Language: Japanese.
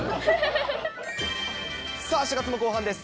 さあ、４月も後半です。